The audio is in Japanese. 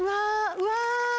うわ